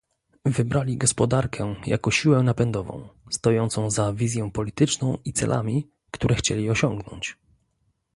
Wybrali gospodarkę jako siłę napędową, stojącą za wizją polityczną i celami, które chcieli osiągać